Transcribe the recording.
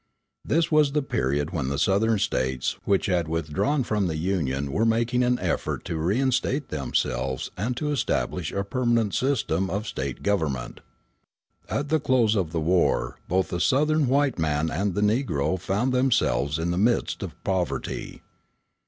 This was the period when the Southern States which had withdrawn from the Union were making an effort to reinstate themselves and to establish a permanent system of State government. At the close of the war both the Southern white man and the Negro found themselves in the midst of poverty.